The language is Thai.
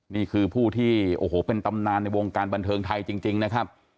นี่คือผู้ที่โอ้โหเป็นตำนานในวงการบันเทิงไทยจริงนะครับ